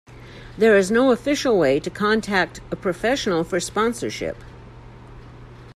There is no official way to contact a professional for sponsorship.